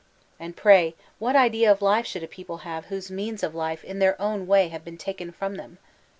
And pray, what idea of life Aould a people have whose means of life in their own way have been taken from them?